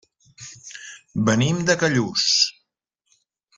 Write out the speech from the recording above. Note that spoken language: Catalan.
Venim de Callús.